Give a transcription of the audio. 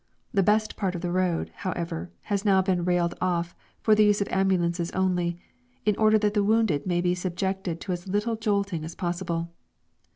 The best part of the road, however, has now been railed off for the use of ambulances only, in order that the wounded may be subjected to as little jolting as possible.